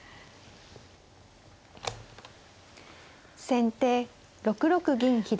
先手６六銀左。